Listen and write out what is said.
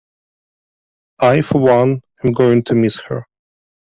I, for one, am going to miss her.